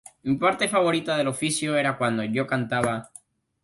Mi parte favorita del oficio era cuando yo cantaba"".